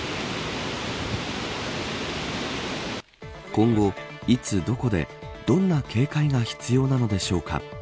今後、いつどこでどんな警戒が必要なのでしょうか。